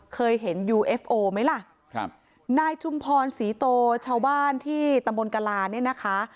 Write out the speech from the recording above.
เคยเห็นยูเอฟโอไหมล่ะครับนายชุมพรศรีโตชาวบ้านที่ตำบลกลาเนี่ยนะคะ